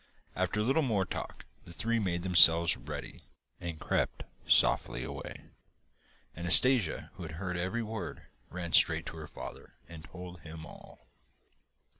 After a little more talk the three made themselves ready and crept softly away. Anastasia, who had heard every word, ran straight to her father, and told him all.